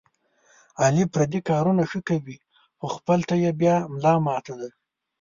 علي پردي کارونه ښه کوي، خو خپل ته یې بیا ملا ماته ده.